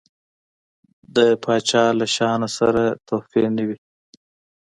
د پاچا له شانه سره تحفې نه وي.